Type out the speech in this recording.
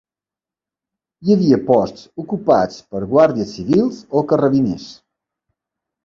Hi havia posts ocupats per guàrdies civils o carrabiners